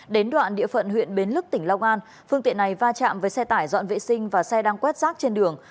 đến đoạn địa phận huyện bến lức tỉnh long an phương tiện này va chạm với xe tải dọn vệ sinh và xe đang quét rác trên đường